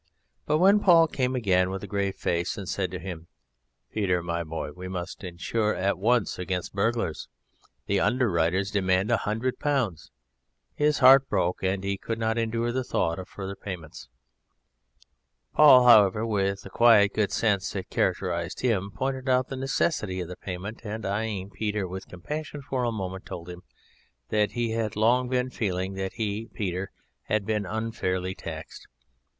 But when Paul came again with a grave face and said to him, "Peter, my boy, we must insure at once against burglars: the underwriters demand a hundred pounds," his heart broke, and he could not endure the thought of further payments. Paul, however, with the quiet good sense that characterised him, pointed out the necessity of the payment and, eyeing Peter with compassion for a moment, told him that he had long been feeling that he (Peter) had been unfairly taxed.